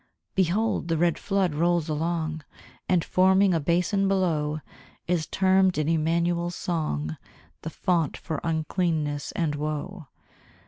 Behold! the red flood rolls along, And forming a bason below, Is termed in Emanuel's song The fount for uncleanness and woe.